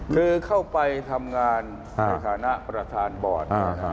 คือเข้าไปทำงานในฐานะประธานบอร์ด